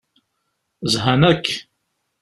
Zhan akk.